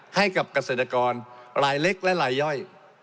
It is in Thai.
ให้กับเกษตรกรรายเล็กและลายย่อย